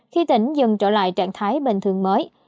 khi tỉnh dừng trở lại trạng thái bình thường mới